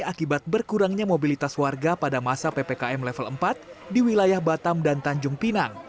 akibat berkurangnya mobilitas warga pada masa ppkm level empat di wilayah batam dan tanjung pinang